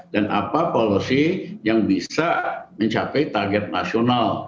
dan apa policy yang bisa mencapai target nasional